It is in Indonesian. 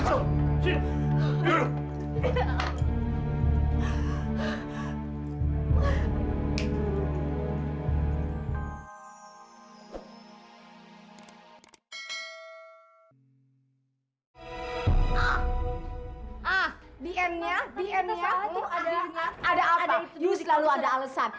you selalu ada alesan